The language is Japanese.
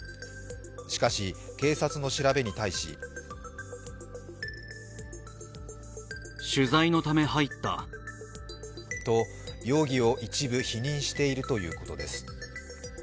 しかし警察の調べに対し容疑を一部否認しているということです。